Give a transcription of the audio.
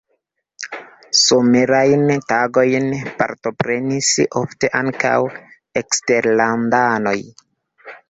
Somerajn tagojn partoprenis ofte ankaŭ eksterlandanoj.